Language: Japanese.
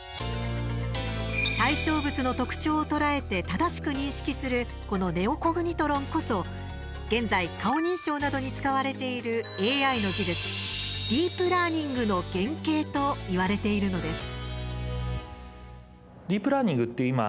対象物の特徴をとらえて正しく認識するこのネオコグニトロンこそ現在、顔認証などに使われているＡＩの技術ディープラーニングの原型と言われているのです。